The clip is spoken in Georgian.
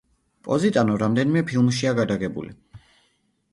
პოზიტანო რამდენიმე ფილმშია გადაღებული.